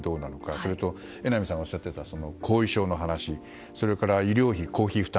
それと榎並さんがおっしゃっていた後遺症の話と医療費公費負担